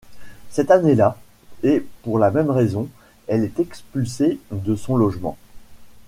Cette année-là, et pour la même raison, elle est expulsée de son logement.